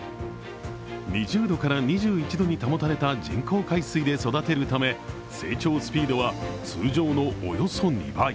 ２０度から２１度に保たれた人工海水で育てるため成長スピードは通常のおよそ２倍。